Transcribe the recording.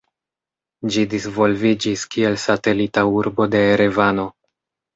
Ĝi disvolviĝis kiel satelita urbo de Erevano.